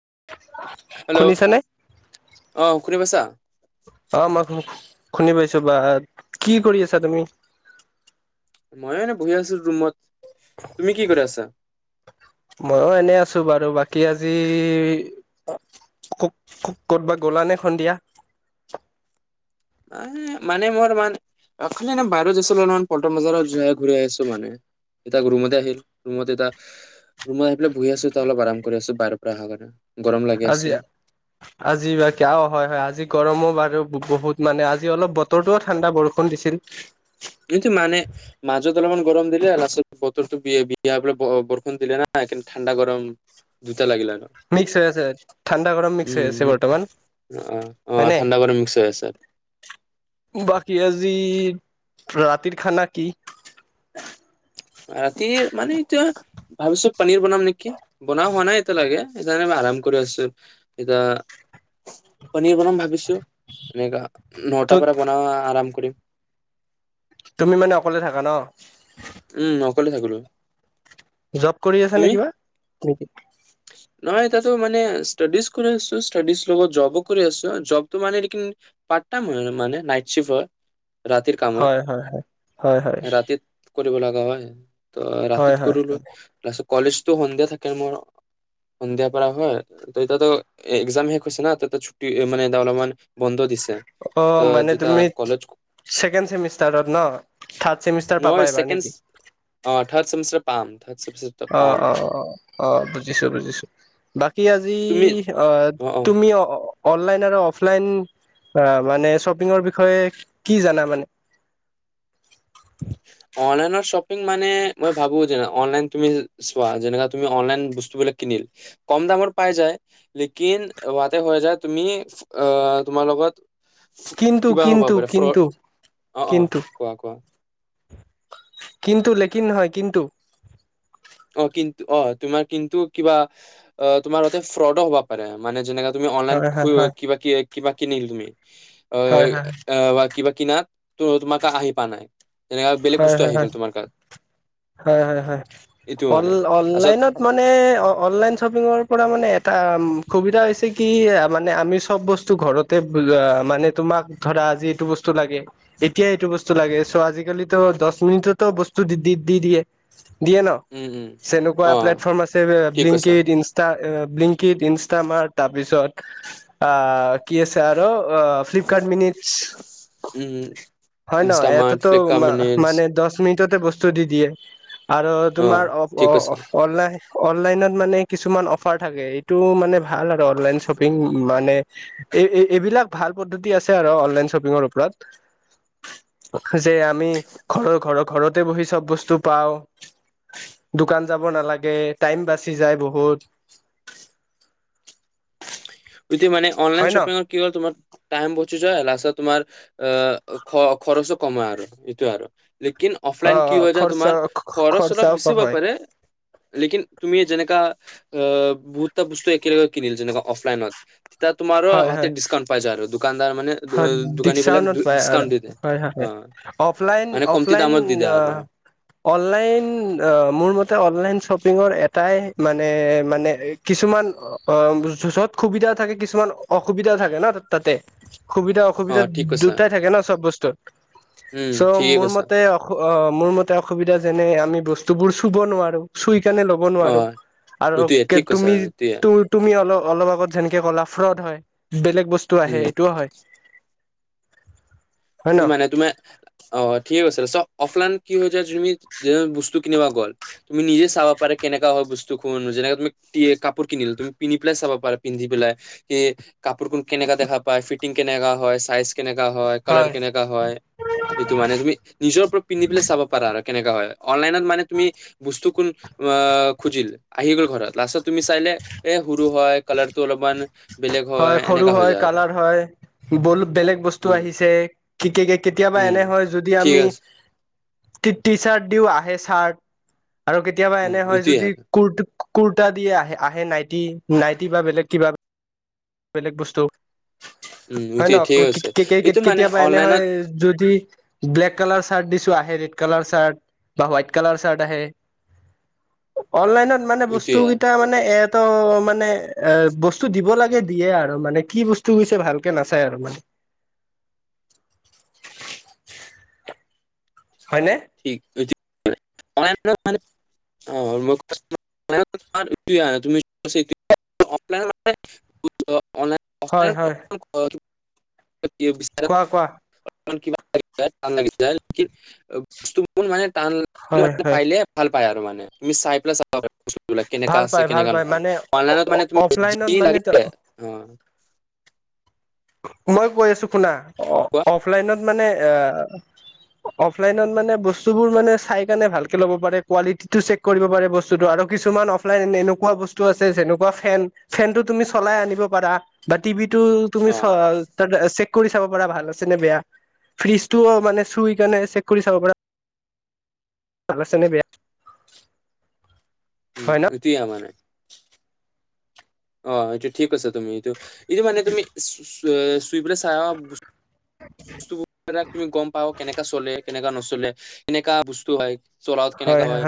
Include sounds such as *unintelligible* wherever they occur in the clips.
*unintelligible* Hello, শুনিছানে? অ শুনি পাইছা। অ মই শুনি পাইছো বা কি কৰি আছা তুমি? মই এনে বহি আছো ৰুমত। তুমি কি কৰি আছা ময়ো এনে আছো বাৰু বাকী। কি আজি ক ক'তবা গলা নে সন্ধিয়া? এ মানে মই মান এ বাহিৰত আছিলো অল পল্টন বজাৰত ঘূৰি আহিছো মানে এ ৰুমতে আহিল ৰুমত এ মত আহি বহি আছো ত অলপ আৰাম কৰি আছো বাহিৰৰ পৰা অহা কাৰণে। গৰম লাগি আজি আছিল আজিব ক হয় হয় আজি। গৰমো বাৰু বহুত মানে আজি অলপ বতৰৰতটোও ঠাণ্ডা বৰষুণ দিছিল। কিন্তু মানে মাজত। অলপমান গৰম দিলোৰত বতৰটো বি বৰষণ দিলে ন কি ঠাণ্ডা গৰম দুটা লাগিল আৰু। মিক্স হৈ আছে ঠাণ্ডা গৰম মিক্স হৈ আছে উম বৰ্তমান অ অ হয়নে ঠাণ্ডা গৰম মিক্স হৈ আছে বাকী আজি। ৰাতিৰ খানা কি? ৰাতি মানে এতিয়া ভাবিছো পনিৰ বনাম নেকি? বনোৱা হোৱা নাই এতি লাগে সেইকাৰণে ম আৰাম কৰি আছো এতিয়া পনীৰ বনাম ভাবিছো এনেকা। ত নটাৰ পৰা বনোৱা আৰাম কৰিম। তুমি মানে অকলে থাকা ন। উম ', অকলে থাকিলো জব কৰি আছে নে তুমি কিবা নেকি? নহয় এ তো মানে ষ্টডিজ কৰি আছো ষ্টডি লগত জব কৰি আছো জবটো মানে মান নাইট শ্বিফ্ট হয়। ৰাতিৰ কাম হয় - হয় - হয় - হয় - হয় ৰাতি কৰিব লগা হয়। ত হয় ৰাতিত হয় কৰ হয় লৈছ কলেজতো সন্ধিয়া থাকে মোৰ। সন্ধিয়া পৰা হয় ত এতিয়া এক্সাম শেষ হৈছে না ত ছুটি মানে এ অলপমান বন্ধ দিছে। অহ ', মানে যেটা তুমি কলেজ ছেকেণ্ড চেমিষ্টাৰত ন থাৰ্ড চেমিষ্টাৰ নহয় পাবা এবাৰ ছেকেণ্ড নেকি? অ থাৰ্ড চেমিষ্টাৰ পাম। থাৰ্ড চেমিষ্টাৰ অহ পাম - অহ - অহ - অহ বুজিছো। বুজিছো বাকী আজি তুমি অহ অ অ ', তুমি অহ ', অনলাইন আৰু অফলাইন মানে শ্বপিঙৰ বিষয়ে কি জানা মানে। অনলাইনৰ শ্বপিং মানে মই ভাবো যে অনলাইন তুমি চোৱা যেনে তুমি অনলাইন বস্তুবিলাক কিনিল কম দামত পাই যায় লেকিন হোৱাতে হৈ যায় তুমি তোমাৰ লগত কিন্তু কিবা হ'ব কিন্তু পাৰে কিন্তু ফ্ৰড অহ ', - অহ কিন্তু ', কোৱা - কোৱা? কিন্তু লেকিন নহয় কিন্তু অহ ', কিন্তু অহ ', তোমাৰ কিন্তু কিবা অহ ', তোমাৰ ততে ফ্ৰডো হ'ব পাৰে মানে যেনেকা। তুমি অনলাইন হয় হয় খোৱা হয় কিবা- কিবা কিন তুমি হয় হয় কিবা। কিনাত ত তুমাকা আহি প নাই তেনেকা বেলেগ হয়- বস্তু হয়- আহি গ'ল তোমাৰ গাত হয় - হয় এইটো হোৱা নাই তাৰছত অনলাইনত মানে অনলাইন শ্বপিঙৰ পৰা মানে এটা সোবিদা হৈছে কি এই মানে আমি চব বস্ত ঘৰতে মানে তোমাক ধাৰা আজি এইটো বস্ত লাগে এতিয়া এইটো বস্ত লাগে চ আজি আজিকালিত দহ মিনিটতো বস্তু দি দি দি দিয়ে। দিয়ে ন উম উম চনেকুৱা অ প্লেটফৰ্ম আছে ঠিক কৈছা লিংকড ই লিংকিড ইনষ্টামাৰ তাৰপিছত আ কি আছে আৰু ফ্লিপকাৰ্ট মিন উম হয় ন এ ইনষ্টামাৰ্ট ফ্লিপকাৰ্ট মা মিনিটছ মানে দহ মিনিট এতিয়াটোবস্তু দি দিয়ে। আৰু অ তোমাৰ ঠিক কৈছা অনলাইন অনলাইনত মানে কিছুমান অফাৰ থাকে এইটো মানে ভাল আৰু অনলাইন শ্বপিং মানে এই এইবিলাক ভাল পদ্ধতি আছে আৰু অনলাইন শ্বপিংৰ ওপৰত যে আমি ঘৰৰ ঘৰ ঘৰতে বহি চব বস্তু পাওঁ দোকান যাব নালাগে টাইম বাচি যায় বহুত। হয় যদি মানে অনলাইন হয় ন শপিংৰ কি'ল তোমাৰ টাইম বহু লাচত তোমাৰ অ খ খৰচো কমাই আৰু এইটোয়ে আৰু লেকিন অ অফলাইন কি অ হৈ যায় খৰচা তোমাৰ খৰচ অলপ খৰচাও কম বেছিব হয় পাৰে লেকিন তুমি যেনে বহুতটা বস্তু একেলগে কিনিল যেনেকা অফলাইনত হয় এ হয় তোমাৰাতে হয় ডিছকাউণ্ট পাইায় আৰু- দোকানদাৰ মানে হয় দোকানী বিলাক ডাউটত পায় আৰু ডিছকাউণ্ট দি দিয়ে। হয় অ হয় অফলাইন মানে কমতি অফলাইন দামত দি দিয়ে আৰু অনলাইন মোৰ মতে অনলাইন শ্বপিঙৰ এটাই মানে মানে কিছুমান অ যত সুবিধা থাকে। কিছুমান অসুবিধা থাকে ন তাতে সুবিধা অ অসুবিধা ঠিক কৈছা দুটাই থাকে ন চব বস্তুত উম চ' ঠিকে মোৰ কৈছা। মতে অস অ মোৰ মতে অসুবিধা যেনে আমি বস্তু বস্তুবোৰ চুব নোৱাৰো সণে ল'ব অ নোৱাৰো আৰু এইটোয়ে ঠিক কৈছা তুমি এইটোয়ে তুমি অল অলপ আগত যেনেকে কলা ফ্ৰত হয় বেলেগ বস্তু আহে উম এইটোও হয় হয় ন মানে তোমাৰ অ ঠিক আছে চ অফলাইন কি হয় য তুমি যে বস্তু কিনিবা গ'ল তুমি নিজে চাব পা কেনেকা হয় বস্তু খোন যেনেে তুমি কাপোৰ কিনিল তুমি পিনি পেলাই চাবা পা পিন্ধি পেলাই কি কাপোৰ কোন কেনেকা দেখা পায় ফিটিং কেনেকা হয় চাইজ কেনেকা হয় কালাৰ কেনেকা হয় সটো মানে তুমি নিজৰ ওপৰত পিন্ধি পেললে চাব পাৰা আৰু কেনেকা হয়। অনলাইনত মানে তুমি বস্তু কোন- অ খুজিল আহি গল ঘৰত লাষ্টত তুমি চাইলে এ সৰু হয় কালাৰটো অলপমান বেলেগ হয় সৰু এনেকা হৈ হয় যায় আৰু কালাৰ হয় বল বেলেগ বস্তু উম আহিছে *unintelligible* ক কে কেতিয়াবা উম এনে হয় যদি ঠিক আমি আছে কি টি চাৰ্ট দিও আহে চাৰ্ট। আৰু কেতিয়াবা উম এনে হয় এইটোৱে যদি আৰু কৰ্ট। কুুৰ্তা দিয়ে আহে আহে নাইটি নাইটি বা বেলেগ *unintelligible* কিবা বেলেগ বস্তু। উম, হয় ন সেইটোৱে ঠিক আছে। এইটো মানে কেতিয়াবা এনে। অনলাইনত হাড ইচু আহে ৰে। মানে এইটোৱে বস্তু কেইটা মানে এটো মানে। এ। বস্তু দিব লাগে দিয়ে আৰু মানে কি বস্তু গছে ভালকে নাচাই আৰু মানে। হয়নে ঠিক। *unintelligible* হয় হয় অনলাইন। কোৱা কোৱা বিচতমান কিমান *unintelligible* অন লাগি যায়। মোৰ মানে। হয় টানানে হয় পাইলে ভাল পায় আৰু মানে। তুমি চাই পেলাই চাব পাৰি। বস্তুিলাক কেনেকা ভাল আছে পায় ভাল কেনেকা পায় নহয় মানে অনলাইনত মানে তুমি অফলাইনত যি মানে লাগিল অ। মই কৈ আছো শুনা। অ কোৱা অফলাইনত। মানে আ অফলাইন মানে বস্তুবোৰ মানে চাইকিনে ভাল কে ল'ব পাৰে চেক কৰিব পাৰে আৰু কিছুমান এনেকুৱা বস্তু আছে ফেন চলাই আনিব পাৰা বাটিভিটো। তুমি অ' চেক। চেক কৰি চাব পাৰ ভাল আছে নে বেয়া। ফ্ৰিজটোও মানে চুই কাৰে চেক কৰি চাব পাৰ। ভালছেনে বেয়া। উম হয় ন এতিয়া মানে। অ এইটোয়া ঠিক কৈইছা। তুমি এইটো এইটো মানে তুমি চুই পৰে চাই অ। তুমি গম পাও কেনেককাে চলে। কেনেকুৱা নচলে কেনেকা বস্তু হয়। চলত কেনেকা হয়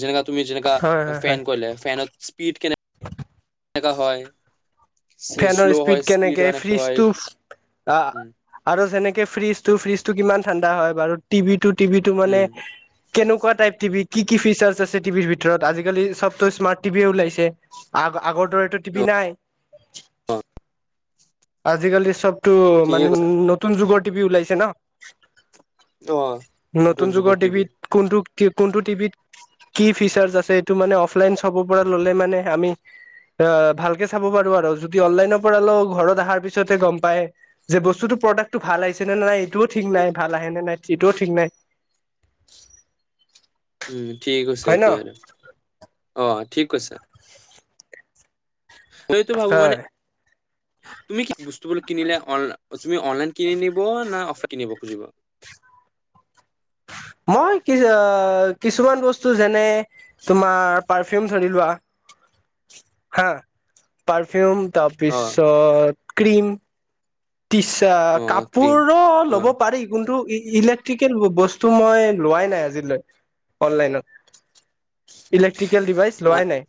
যেনেকা তুমি যেনেকা হয় হয় ফেন হয় কলে ফেনত স্পীড কেনে। কেনেকা হয়। শ্ল' ফেনৰ হয় স্পীড কেনেকে হয় নে কি হয় ফ্ৰিজটো উম, আৰু যেনেকে। ফ্ৰিজটো ফ্ৰিজ টো কিমান ঠাণ্ডা হয় বু টিভি। টো টিভি টো মানে উম, কেনেকুৱা টাইপ টিভি। কি কি ফিচাৰছ আছে টিভিৰ ভিতৰত আজিকালি চবত স্মাৰ্ট টিভিয়ে ওলাইছে আগ আগৰ দৰেতো টিভি নাই অ', আজিকালি চব টো ঠিকে মানে কৈছা নতুন যুগত ওলাইছে ন নতুন যুগৰ টিভিত কোনটো কোনটো টিভিত কি ফিচাৰছ আছে সটো মানে অফলাইন চাব পৰা ল'লে মানে আমি অ ভালকে চাব পাৰো আৰু যদি অনলাইনৰ পৰা লও ঘৰত *unintelligible* তাৰ পিছতে গম পাই যে বস্তুতটো প্ৰডাক্টটো ভাল আহিছে নে নে নাই এইটোও ঠিক নাই ভাল আহে নে নাই সটোও ঠিক নাই উম ঠিক আছে হয় ন এতিয়া আৰু অ ঠিক কৈছে তইটো ভাবো মানে হয় তুমি কি বস্তুব কিনিলে অন *unintelligible* তুমি অনলাইন কিন নিব না অফলাই কিনিব খুজিবা মই কি কিছুমান বস্তু যেনে তোমাৰ পাৰফিউম ধৰি লোৱা হা পাৰফিউম *unintelligible* অ'। তাৰপিছত ক্ৰীম অ টিচাৰ ক্ৰীম কাপোৰো অ ল'ব পাৰি কিন্তু ই ইলেক্ট্ৰিকেল বস্তু মই লোৱাই নাই আজিলৈ অনলাইনত ইলেক্ট্ৰিকেল ডিভাইচ ম লোৱাই নাই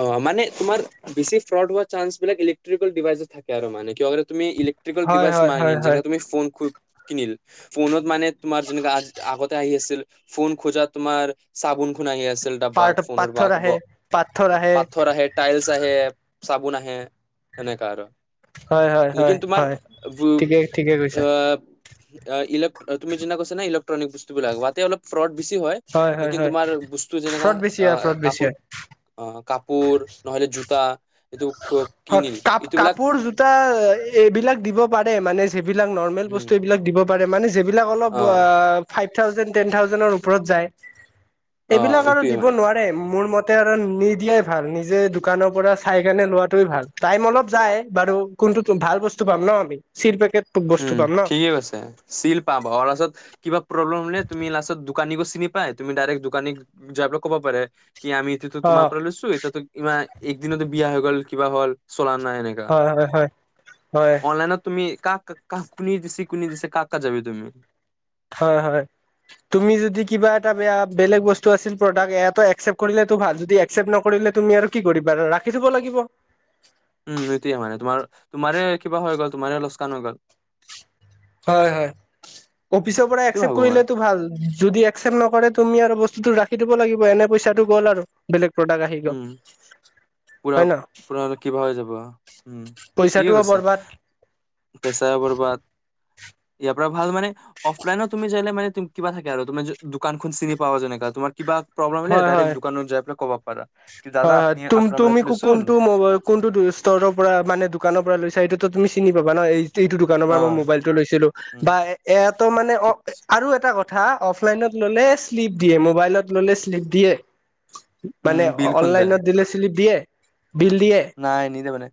অ মানে তোমাৰ বিশিষ ফ্ৰড হোৱা চানঞ্চবিলাক ইলেকট্ৰিকেল ডিভাইছে থাকে আৰু মান *unintelligible* ই্ট্ৰিক হয় ডিভাইছ হয় হয় হয় মংিননে তুমি ফোনবোৰ *unintelligible* কিনিল ফোনত মানে তোমাৰ যেনেকা আজ আগতে আহি আছিল ফোন খোজা তোমাৰ চাবোন খুন আহি আছে *unintelligible* ডা পাৰ ফোনৰ পাথৰ আহে পাথৰ আহে পাথৰ আহে টাইলছ আহে চাবোন আহে এনেকা আৰু হয় হয় হয় লেকিন তোমাৰ হয় বু ঠিকে ঠিকে কৈছা আহ তুমি যিনা কৈছা ইলেকট্ৰনিক বস্তুবিলাক অলপ ফ্ৰট *unintelligible* সৃষ্টি হয় তোমাৰ ব *unintelligible* যে ফ্ৰড বেছি হয় ফ্ৰড বেছি কাপোৰ হয় কাপোৰ ন তা কাপ কাপোৰ জোতা এইবিলাক দিব পাৰে মানে। এইবিলাক নৰ্মেল উম, বস্তু এইবিলাক দিব। পাৰে মানে। এইবিলাক অলপ অ', থাউজেণ্ড টেন থাউজেণ্ডৰ ওপৰত যায়। অ', এইবিলাক আৰু এইটোৱে দিব মানে নোৱাৰে মোৰ মতে। তে আৰু নিদিয়াই ভাল নিজে দোকানৰ পৰা। চাইকেনে লোৱাটোৱেই ভাল টাইম অলপ যায় বাৰু কোনটো ভাল বস্তু পাম ন আমি চিল পেকেট। উম বস্তু পাম ন ঠিকে কৈছে চিল পাব অ তাৰপিছত কিবা প্ৰব্লেম। তুমি লাষ্টত দোকানী দোকানীকো চিনি পাই তুমি ডাইৰেক্ট দোকানী যাই *unintelligible* ক'ব পাৰে। আমি এইটোতো অ তোমাৰ পৰা লৈছো এতিয়াতো ইমান। একদিনত বিয়া হৈ গ'ল কিবা হ'ল। *unintelligible* নাই এনেকা হয় হয় হয় *inaudible* অনলাইনত তুমি কাক। কাহ কুনি দিছি কুনি দিছে কাকা যাবি তুমি হয়- হয় তুমি যদি কিবা এটা বেয়া বেলেগ বস্তু আছিল প্ৰডাক্ট এয়াতো এক্সেপট কৰিলেতো ভাল যদি এক্সেপট নকৰিলে তুমি আৰু কি কৰিবা ৰাখি থব লাগিব। উম এইটোৱে মানে তোমাৰ তোমাৰে কিবা হৈ গ'ল তোমাৰে লোচকান হৈ গ'ল। হয় -হয় অফিচৰ পৰা এইটো একচেপ্ট ভাবো মই কৰিলেতো ভাল। যদি একচেপ্ট নকৰে তুমি আৰু বস্তুতটো ৰাখি দিব লাগিব এনে পইচাটো গ'ল আৰু বেলেগ। প্ৰডাক্ট আহি গ'ল উম *inaudible* পুৰা হয় ন পুৰা কিবা হৈ যাব উম ঠিকে পইচাটোও কৈছে বৰবাদ *inaudible* পেচা বৰবাদ *inaudible* ইয়াৰ পৰা ভাল মানে অফলাইনত তুমি যাইলে তুম মানে কিবা থাকে আৰু তুমাৰ য দোকানখন চিনি পাৱা যেনেকা তোমাৰ কিবা প্ৰব্লেম হলে হয় ডাইৰেক্ট হয় দোকানত যাই কব। পাৰা কি দাদা হয় -হয় আপনি তুম আপোনাৰ পৰা তুমি কো তুলিচোন কোনটো ম কোনটো ইষ্টৰ পৰা মানে দোকানৰ পৰা লৈছা এইটো তুমি চিনি পাবা ন এই। এইটো দোকানৰ পৰা অ মই মোবাইলটো লৈছিলো উম বা এত মানে অ' ঠিক আৰু এটা কথা হা অফলাইনত ললে স্লিপ দিয়ে মবাইলত ললে স্লিপ নিদিয়ে। উম মানে বিলখন দে অনলাইনত দিলে স্লিপ দিয়ে বিল দিয়ে নাই নিদে মানে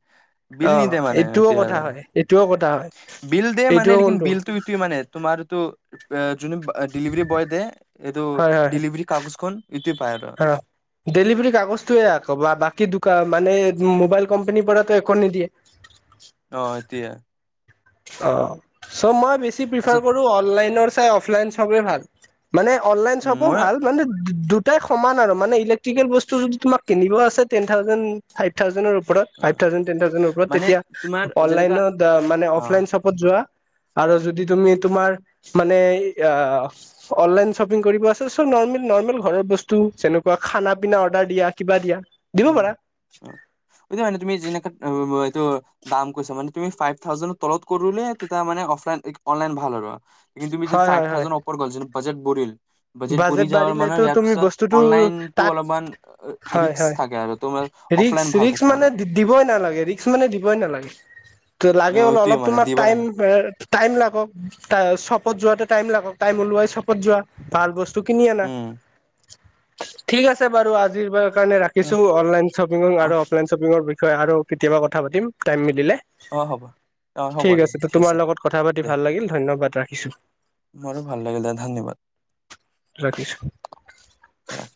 বিল অ নিদে মানে এইটোও এতিয়া কথা আৰু হয় এইটোও কথা হয় *inaudible* বিল দে মানে এইটোও লেকিন কোনটো বিলটো এইটো মানে তোমাৰটো। *unintelligible* যোনে বা ডেলিভাৰী বয় দে এইটো ডেলিভাৰী কাগজখন ইটোৱে পায় আৰু হা ডেলিভাৰী কাগজটোৱে ক'ব বাকী দোকান মানে। মোবাইল কোম্পানীৰ পৰাটো একো নিদিয়ে *unintelligible* অ ' এতিয়া। অঁ চ' মই বেছি প্ৰিফাৰ তাৰপিছত কৰো অনলাইনৰ চাই অফলাইন চবেই ভাল মানে অনলাইন শ্বপো ভাল মানে দু দু প্ৰায় সমান আৰু মানে ইলেক্ট্ৰিকেল বস্তু যদি তোম কিনিব আছে টেন থাউজেন ফাইভ থাউজেৰ মই ফাইফ থাউজেণ্ড, টেন থাউজেণ্ড পৰা মানে তেতিয়াই তোমাৰ অনলাইন যেনেকা ত, অ অফলাইন ত অফলাইন শ্বপত যোৱা আৰু যদি তুমি তোমাৰ মানে অনলাইন শ্বপিং কৰিব আছা চ নেল ঘৰৰ বস্তু যেনেকুৱা খানা পিনা অৰ্ডাৰ দিয়া কিবা দিয়া দিব উম পাৰা মানে তুমি যেনেক দাম কৈছা মানে তুমি ফাইভ থাউজেৰ তলত কৰোলে তেতিয়া মানে অফলাইন অনলাইন ভাল আৰু কিন্তু তুমি যে হয় ফাইভ হয় হয় থাউজেণ্ড ওপৰ কৰিছ বাজেট বহিল বাজেট বহি যায় মানে বাঢ়িলেতো আৰু ইয়াৰ তুমি পাছত বস্তুটো অনলাইনতো তাত অলপমান হয় ৰিক্স হয় থাকে আৰু তোমাৰ অফলাইন ভাল ৰিক্স থাকে আৰু মানে দিব নালাগে ৰিক্সা মানে দিব নালাগে ত অ লাগে হ'লো এইটোৱে অলপ মানে তোমাক দিবা টাইম নালাগে টাইম লাগক চপত যোৱাটো টাইম লাগক টাইম ওলোৱাই চপত যোৱা ভাল বস্তু তোৰ কিনি আনা উম ঠিক আছে বাৰু আজিৰ ব কাৰণে ৰাখিছো অহ অনলাইন শ্বপিং আৰু অহ অফলাচপিঙৰ ব হয় আৰু কেতিয়াবা কথা পাতিম টাইম মিলে অহ হ'ব অহ হ'ব ঠিক দে আছে তোমাৰ লগত কথা পাতি দে ভাল লাগিল ধন্যবাদ ৰাখি। কিছো মোৰো ভাল লাগিলে ধন্যবাদ ৰাতি ৰাখিম